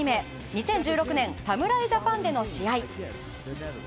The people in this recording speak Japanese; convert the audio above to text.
２０１６年、侍ジャパンでの試合。